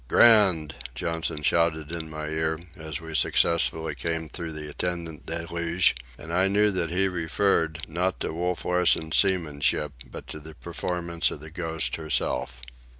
"Grand!" Johnson shouted in my ear, as we successfully came through the attendant deluge, and I knew he referred, not to Wolf Larsen's seamanship, but to the performance of the Ghost herself.